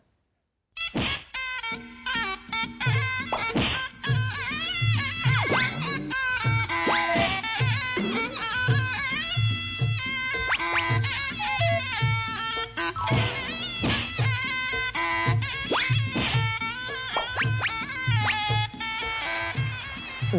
โอ้โฮ